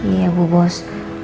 iya bu bos